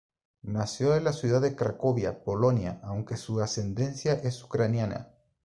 Nació en la ciudad de Cracovia, Polonia aunque su ascendencia es ucraniana.